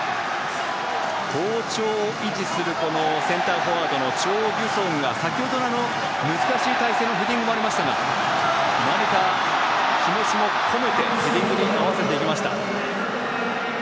好調を維持するセンターフォワードのチョ・ギュソンが先ほどの難しい体勢のヘディングもありましたが気持ちを込めてヘディングに合わせていきました。